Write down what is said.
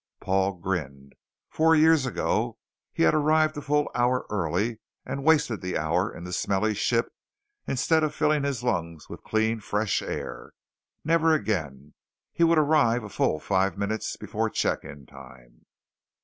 Paul grinned. Four years ago he had arrived a full hour early and wasted the hour in the smelly ship instead of filling his lungs with clean fresh air. Never again. He would arrive a full five minutes before check in time.